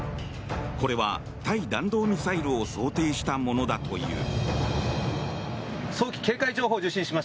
これは、対弾道ミサイルを想定したものだという。